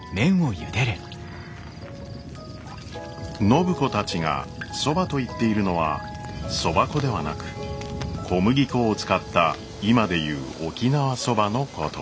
暢子たちが「そば」と言っているのはそば粉ではなく小麦粉を使った今で言う「沖縄そば」のことです。